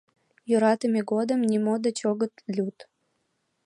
Йӧратыме годым нимо деч огыт лӱд...